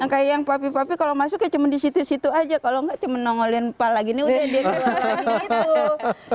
kayak yang papi papi kalau masuk ya cuma di situ situ aja kalau nggak cuma nongolin pala gini udah dia kayak lagi gitu